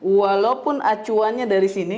walaupun acuannya dari sini